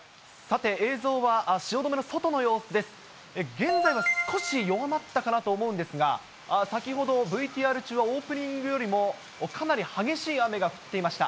現在は少し弱まったかなと思うんですが、先ほど、ＶＴＲ中はオープニングよりもかなり激しい雨が降っていました。